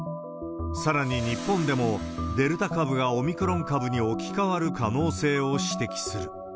さらに日本でも、デルタ株がオミクロン株に置き換わる可能性を指摘する。